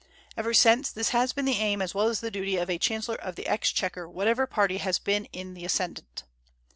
Ever since, this has been the aim as well as the duty of a chancellor of the exchequer whatever party has been in the ascendent.